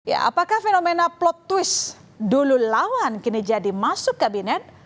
ya apakah fenomena plot twist dulu lawan kini jadi masuk kabinet